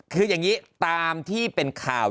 คืออย่างนี้ตามที่เป็นข่าว